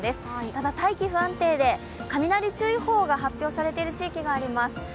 ただ、大気不安定で雷注意報が発表されている地域もあります。